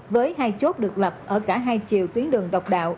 với hai chốt được lập ở cả hai chiều tuyến đường độc đạo